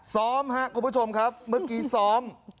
ซ้อมครับคุณผู้ชมครับเมื่อกี้ซ้อม